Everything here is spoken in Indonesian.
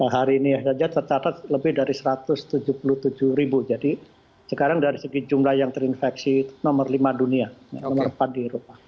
hari ini saja tercatat lebih dari satu ratus tujuh puluh tujuh ribu jadi sekarang dari segi jumlah yang terinfeksi nomor lima dunia nomor empat di eropa